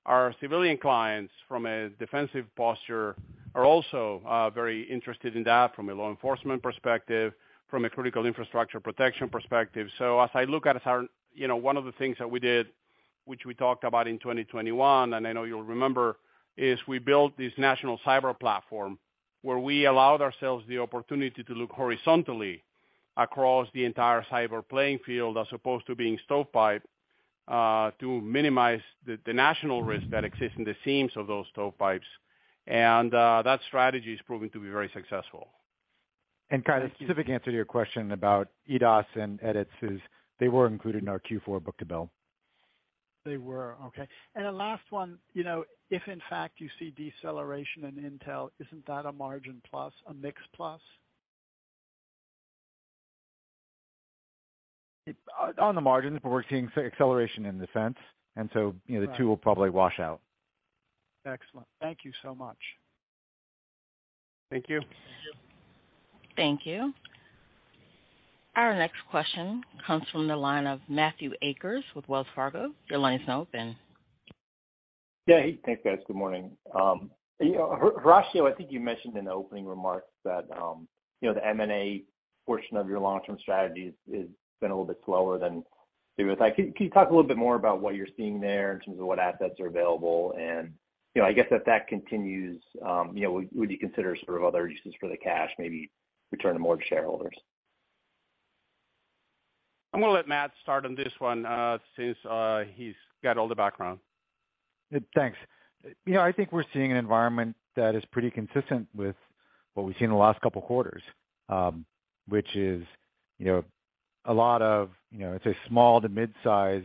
C: our civilian clients, from a defensive posture, are also very interested in that from a law enforcement perspective, from a critical infrastructure protection perspective. As I look at our. You know, one of the things that we did, which we talked about in 2021, and I know you'll remember, is we built this National Cyber Platform where we allowed ourselves the opportunity to look horizontally across the entire cyber playing field, as opposed to being stovepipe, to minimize the national risk that exists in the seams of those stovepipes. That strategy is proving to be very successful.
D: Cai, the specific answer to your question about EDOS and EDITS is they were included in our Q4 book-to-bill.
H: They were. Okay. The last one, you know, if in fact you see deceleration in Intel, isn't that a margin plus, a mix plus?
D: On the margins, we're seeing acceleration in defense. The two will probably wash out.
H: Excellent. Thank you so much.
C: Thank you.
A: Thank you. Our next question comes from the line of Matthew Akers with Wells Fargo. Your line is now open.
I: Yeah. Hey, thanks, guys. Good morning. you know, Horacio, I think you mentioned in the opening remarks that, you know, the M&A portion of your long-term strategy is been a little bit slower than you would like. Can you talk a little bit more about what you're seeing there in terms of what assets are available? you know, I guess if that continues, you know, would you consider sort of other uses for the cash, maybe return to more shareholders?
C: I'm going to let Matt start on this one, since he's got all the background.
D: Thanks. You know, I think we're seeing an environment that is pretty consistent with what we've seen in the last couple of quarters, which is, you know, a lot of, you know, let's say, small to mid-size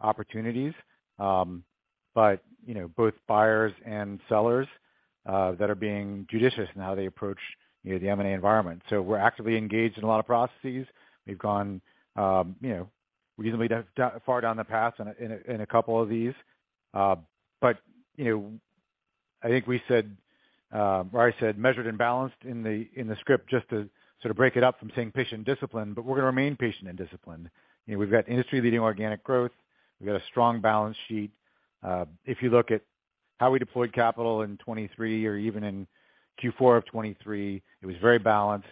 D: opportunities, but, you know, both buyers and sellers, that are being judicious in how they approach, you know, the M&A environment. We're actively engaged in a lot of processes. We've gone, you know, reasonably down, far down the path in a couple of these. You know, I think we said, I said, measured and balanced in the, in the script, just to sort of break it up from saying patient and disciplined, but we're going to remain patient and disciplined. You know, we've got industry-leading organic growth. We've got a strong balance sheet. If you look at how we deployed capital in 2023 or even in Q4 of 2023, it was very balanced,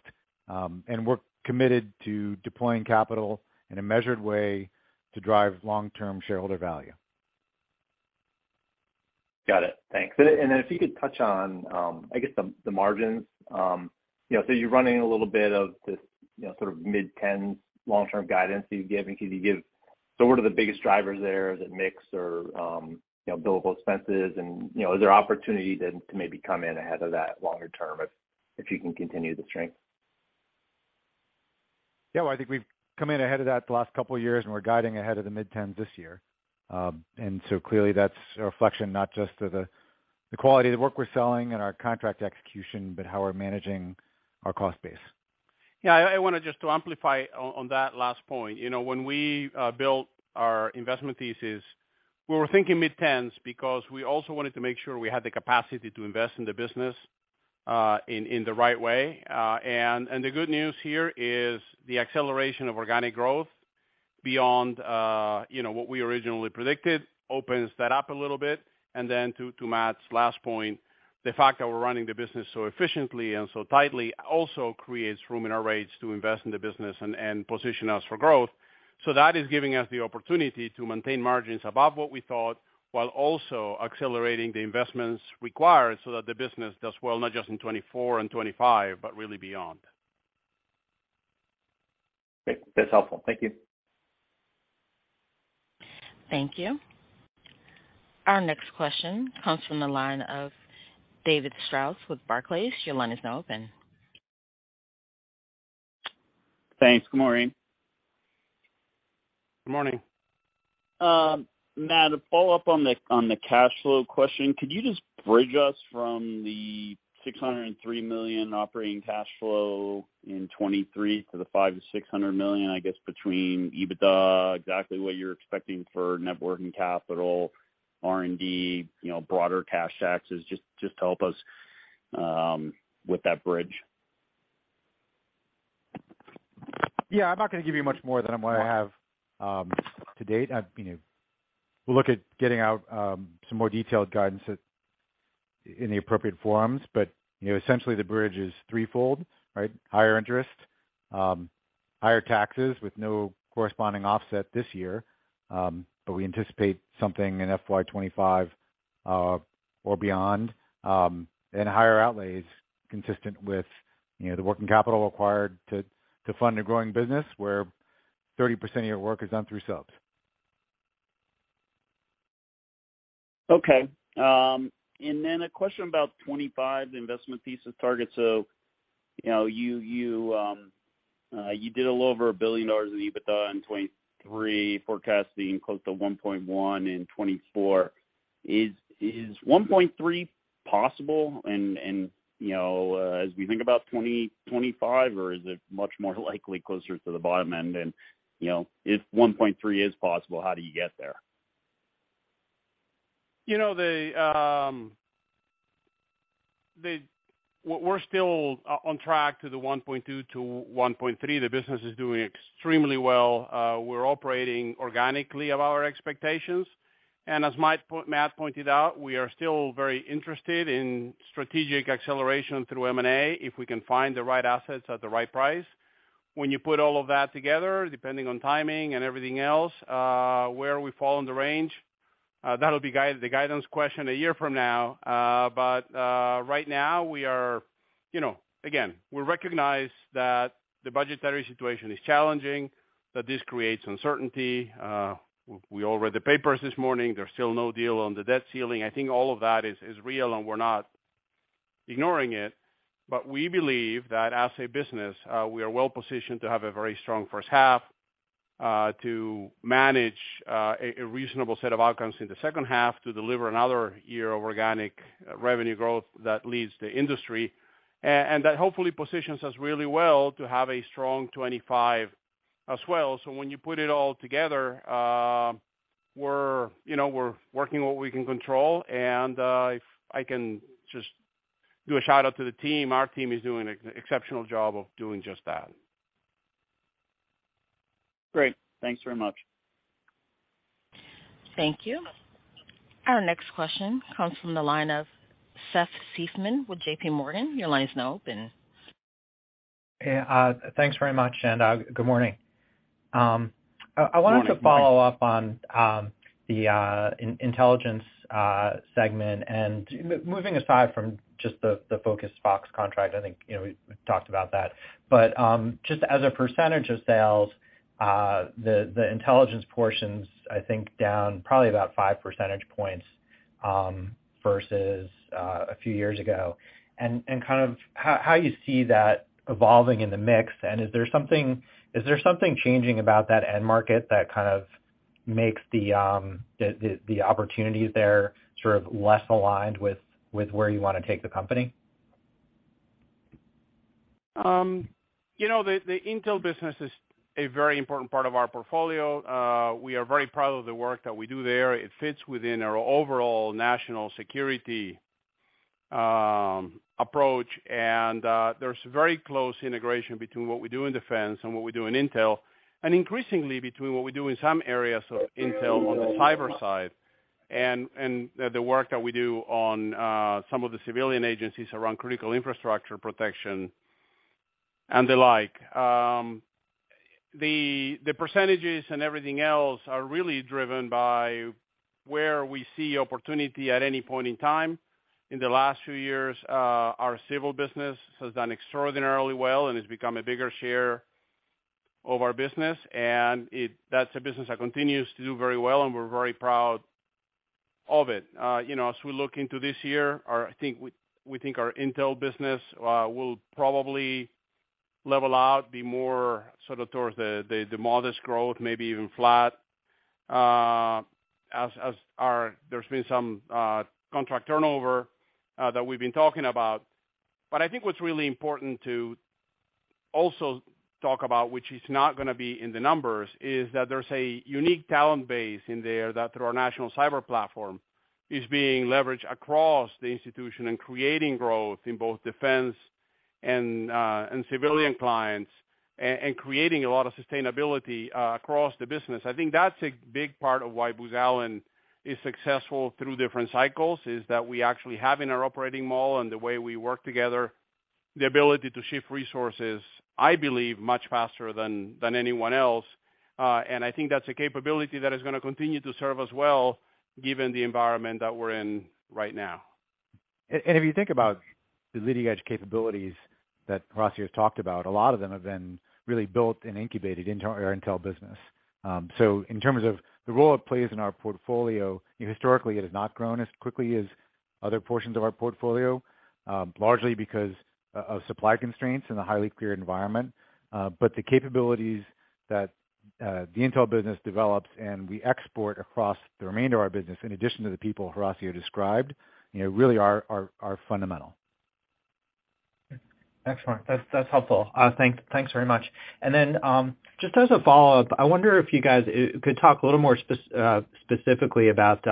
D: and we're committed to deploying capital in a measured way to drive long-term shareholder value.
I: Got it. Thanks. If you could touch on, I guess, the margins. You know, so you're running a little bit of this, you know, sort of mid-10% long-term guidance that you gave. What are the biggest drivers there? Is it mix or, you know, billable expenses? You know, is there opportunity to maybe come in ahead of that longer term if you can continue the strength?
D: Well, I think we've come in ahead of that the last couple of years, and we're guiding ahead of the mid-10% this year. Clearly, that's a reflection not just to the quality of the work we're selling and our contract execution, but how we're managing our cost base.
C: I wanna just to amplify on that last point. You know, when we built our investment thesis, we were thinking mid-tens because we also wanted to make sure we had the capacity to invest in the business in the right way. The good news here is the acceleration of organic growth beyond, you know, what we originally predicted, opens that up a little bit. Then to Matt's last point, the fact that we're running the business so efficiently and so tightly, also creates room in our rates to invest in the business and position us for growth. That is giving us the opportunity to maintain margins above what we thought, while also accelerating the investments required so that the business does well, not just in 2024 and 2025, but really beyond.
I: Great. That's helpful. Thank you.
A: Thank you. Our next question comes from the line of David Strauss with Barclays. Your line is now open.
J: Thanks. Good morning.
C: Good morning.
J: Matt, to follow up on the, on the cash flow question, could you just bridge us from the $603 million operating cash flow in 2023 to the $500 million–$600 million, I guess, between EBITDA, exactly what you're expecting for net working capital, R&D, you know, broader cash taxes, just help us, with that bridge?
D: Yeah, I'm not going to give you much more than what I have to date. I've, you know, we'll look at getting out some more detailed guidance at in the appropriate forums. You know, essentially, the bridge is threefold, right? Higher interest, higher taxes with no corresponding offset this year, but we anticipate something in FY 2025 or beyond, and higher outlays consistent with, you know, the working capital required to fund a growing business where 30% of your work is done through subs.
J: Okay. Then a question about 2025, the investment thesis target. You know, you did a little over $1 billion in EBITDA in 2023, forecasting close to $1.1 billion in 2024. Is $1.3 billion possible? You know, as we think about 2025, or is it much more likely closer to the bottom end? You know, if $1.3 billion is possible, how do you get there?
C: You know, we're still on track to the 1.2–1.3. The business is doing extremely well. We're operating organically above our expectations, and as Matt pointed out, we are still very interested in strategic acceleration through M&A, if we can find the right assets at the right price. When you put all of that together, depending on timing and everything else, where we fall in the range, that'll be the guidance question a year from now. Right now, we are, you know, again, we recognize that the budgetary situation is challenging, that this creates uncertainty. We all read the papers this morning. There's still no deal on the debt-ceiling. I think all of that is real, and we're not ignoring it. We believe that as a business, we are well positioned to have a very strong first half, to manage a reasonable set of outcomes in the second half, to deliver another year of organic revenue growth that leads the industry, and that hopefully positions us really well to have a strong 2025 as well. When you put it all together, we're, you know, we're working what we can control, and if I can just do a shout-out to the team, our team is doing an exceptional job of doing just that.
J: Great. Thanks very much.
A: Thank you. Our next question comes from the line of Seth Seifman with JPMorgan. Your line is now open.
K: Hey, thanks very much, and good morning.
C: Good morning.
K: wanted to follow up on the intelligence segment. Moving aside from just the Focused Fox contract, I think, you know, we've talked about that. Just as a percentage of sales, the intelligence portions, I think, down probably about 5 percentage points versus a few years ago. Kind of how you see that evolving in the mix, and is there something changing about that end market that kind of makes the opportunities there, sort of less aligned with where you wanna take the company?
C: You know, the intel business is a very important part of our portfolio. We are very proud of the work that we do there. It fits within our overall national security approach, there's very close integration between what we do in defense and what we do in intel, and increasingly between what we do in some areas of intel on the cyber side, and the work that we do on some of the civilian agencies around critical infrastructure protection and the like. The percentages and everything else are really driven by where we see opportunity at any point in time. In the last few years, our civil business has done extraordinarily well and has become a bigger share of our business, that's a business that continues to do very well, and we're very proud of it. you know, as we look into this year, I think we think our intel business will level out, be more sort of towards the modest growth, maybe even flat, as there's been some, contract turnover, that we've been talking about. I think what's really important to also talk about, which is not going to be in the numbers, is that there's a unique talent base in there that, through our National Cyber Platform, is being leveraged across the institution and creating growth in both defense and civilian clients, and creating a lot of sustainability, across the business. I think that's a big part of why Booz Allen is successful through different cycles, is that we actually have in our operating model and the way we work together, the ability to shift resources, I believe, much faster than anyone else. I think that's a capability that is going to continue to serve us well, given the environment that we're in right now.
D: If you think about the leading-edge capabilities that Horacio talked about, a lot of them have been really built and incubated into our intel business. So in terms of the role it plays in our portfolio, historically, it has not grown as quickly as other portions of our portfolio, largely because of supply constraints in a highly clear environment. But the capabilities that the intel business develops, and we export across the remainder of our business, in addition to the people Horacio described, you know, really are fundamental.
K: Excellent. That's helpful. thanks very much. Just as a follow-up, I wonder if you guys could talk a little more specifically about,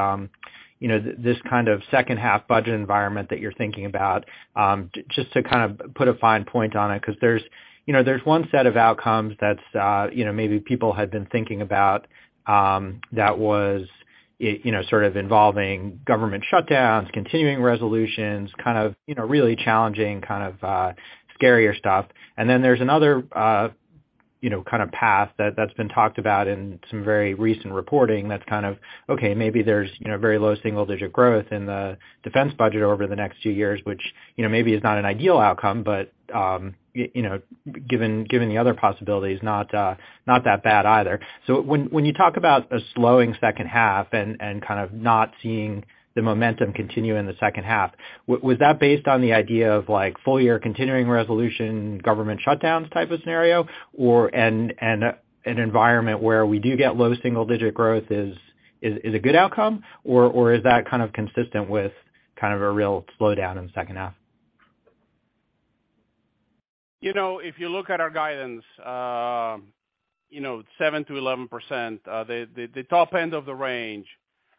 K: you know, this kind of second half budget environment that you're thinking about, just to kind of put a fine point on it. 'Cause there's, you know, there's one set of outcomes that's, you know, maybe people had been thinking about, that was, you know, sort of involving government shutdowns, continuing resolutions, kind of, you know, really challenging, kind of, scarier stuff. There's another, you know, kind of path that's been talked about in some very recent reporting that's kind of, okay, maybe there's, you know, very low single-digit growth in the defense budget over the next few years, which, you know, maybe is not an ideal outcome, but, you know, given the other possibilities, not that bad either. When you talk about a slowing second half and kind of not seeing the momentum continue in the second half, was that based on the idea of, like, full year continuing resolution, government shutdowns type of scenario, or, and an environment where we do get low single-digit growth is a good outcome, or is that kind of consistent with kind of a real slowdown in the second half?
C: You know, if you look at our guidance, you know, 7%–11%, the top end of the range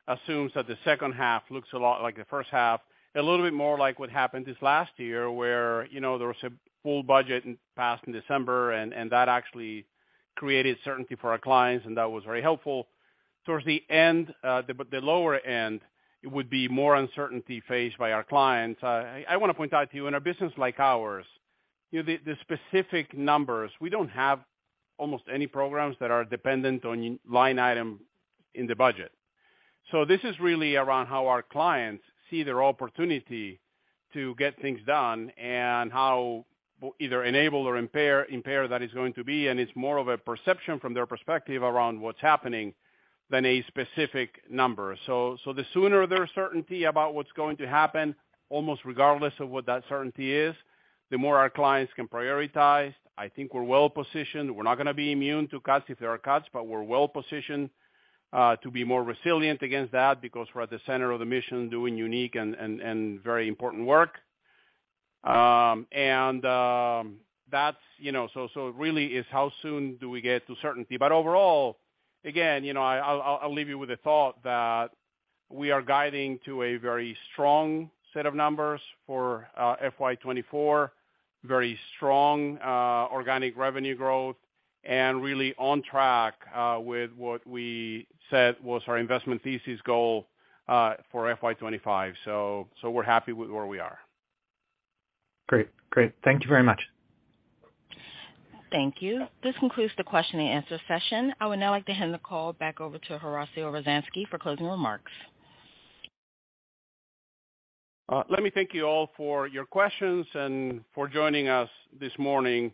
C: assumes that the second half looks a lot like the first half, a little bit more like what happened this last year, where, you know, there was a full budget passed in December, that actually created certainty for our clients, and that was very helpful. Towards the end, the lower end, it would be more uncertainty faced by our clients. I wanna point out to you, in a business like ours, you know, the specific numbers, we don't have almost any programs that are dependent on line item in the budget. This is really around how our clients see their opportunity to get things done and how either enable or impair that is going to be, and it's more of a perception from their perspective around what's happening than a specific number. The sooner there's certainty about what's going to happen, almost regardless of what that certainty is, the more our clients can prioritize. I think we're well positioned. We're not going to be immune to cuts if there are cuts, but we're well positioned to be more resilient against that because we're at the center of the mission, doing unique and very important work. And that's, you know, really is how soon do we get to certainty? Overall, again, you know, I'll leave you with a thought that we are guiding to a very strong set of numbers for FY 2024, very strong organic revenue growth, and really on track with what we said was our investment thesis goal for FY 2025. We're happy with where we are.
K: Great. Great. Thank you very much.
A: Thank you. This concludes the question and answer session. I would now like to hand the call back over to Horacio Rozanski for closing remarks.
C: Let me thank you all for your questions and for joining us this morning.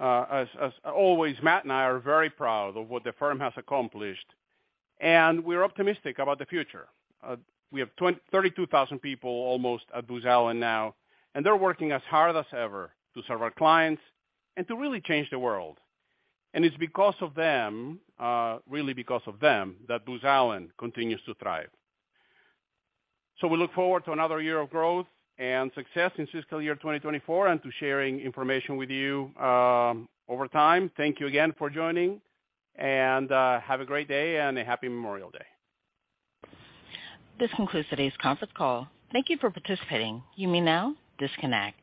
C: As always, Matt and I are very proud of what the firm has accomplished, and we're optimistic about the future. We have 32,000 people almost at Booz Allen now, and they're working as hard as ever to serve our clients and to really change the world. It's because of them, really because of them, that Booz Allen continues to thrive. We look forward to another year of growth and success in fiscal year 2024 and to sharing information with you over time. Thank you again for joining, and have a great day and a happy Memorial Day.
A: This concludes today's conference call. Thank you for participating. You may now disconnect.